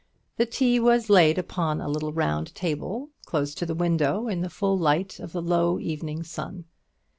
The tea was laid upon a little round table, close to the window, in the full light of the low evening sun.